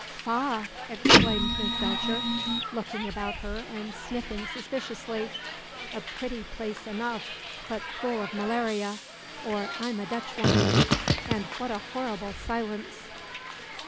"Faugh!" exclaimed Miss Belcher, looking about her and sniffing suspiciously. "A pretty place enough, but full of malaria, or I'm a Dutchwoman! And what a horrible silence!"